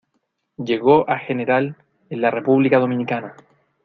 llegó a general en la República Dominicana.